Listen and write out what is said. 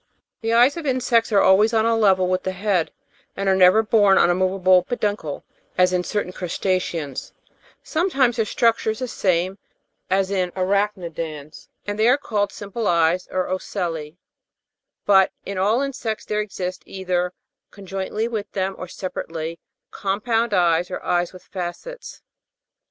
30. The eyes of insects are always on a level with the head, and are never borne on a movable peduncle, as in certain crus taceans ; sometimes their structure is the same as in ara'chnidans, and they are called simple eyes, or ocelli ; but in all insects there exist, either conjointly with them or separately, compound eyes, or eyes with facets.